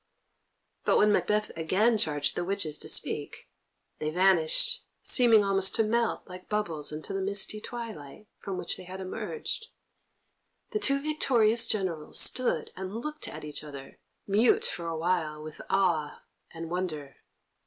But when Macbeth again charged the witches to speak, they vanished, seeming almost to melt like bubbles into the misty twilight from which they had emerged. The two victorious generals stood and looked at each other, mute for awhile with awe and wonder.